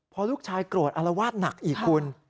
พอลูกชายโกรธอารวาสหนักอีกคุณ